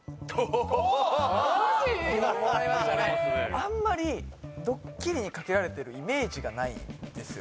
あんまりドッキリにかけられてるイメージがないんですよ